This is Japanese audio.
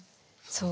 そう。